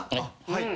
はい。